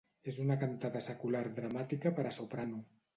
És una cantata secular dramàtica per a soprano.